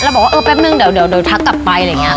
แล้วบอกว่าเออแป๊บนึงเดี๋ยวทักกลับไปอะไรอย่างนี้